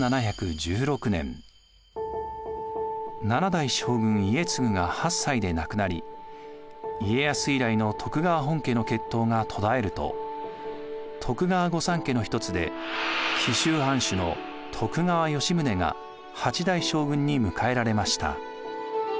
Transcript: ７代将軍・家継が８歳で亡くなり家康以来の徳川本家の血統が途絶えると徳川御三家の一つで紀州藩主の徳川吉宗が８代将軍に迎えられました。